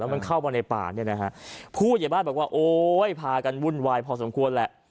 แล้วมันเข้ามาในป่านเนี่ยนะฮะพูดอย่างบ้างแบบว่าโอ้ยพากันวุ่นวายพอสมควรแหละ